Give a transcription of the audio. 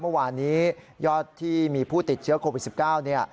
เมื่อวานนี้ยอดที่มีผู้ติดเชื้อโควิด๑๙